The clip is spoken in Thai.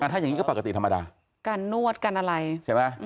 ถ้าอย่างนี้ก็ปกติธรรมดาการนวดการอะไรใช่ไหม